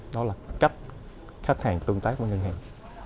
đó là cách khách hàng tương tác với ngân hàng